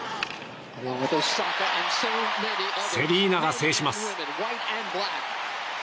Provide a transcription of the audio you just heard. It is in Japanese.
セリーナが制します。